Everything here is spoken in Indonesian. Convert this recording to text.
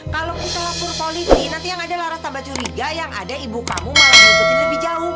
kalau kita lapor polisi nanti yang ada laras tambah curiga yang ada ibu kamu malah diumpetin lebih jauh